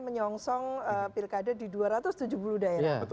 kosong pilkade di dua ratus tujuh puluh daya